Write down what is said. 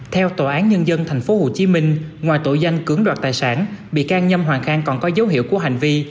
theo tòa án nhân dân tp hcm ngoài tội danh cưỡng đoạt tài sản bị can nhâm hoàng khang còn có dấu hiệu của hành vi